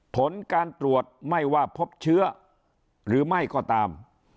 ผลการตรวจไม่ว่าพบเชื้อหรือไม่ก็ตาม